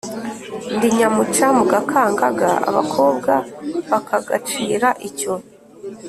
Ndi nyamuca mu gakangaga abakobwa bakagacira icyo,